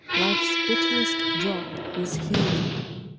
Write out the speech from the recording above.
Life's bitterest drop is here.